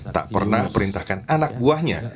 tak pernah perintahkan anak buahnya